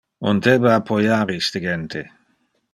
On debe appoiar iste gente.